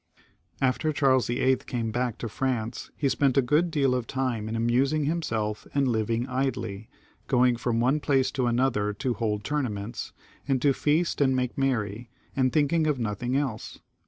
After Charles YIII. came back to France he spent a good deal of time in amusing himself and Kving idly, going from one place to another to hold tournaments, and to feast and make merry, and thinking of nothing else.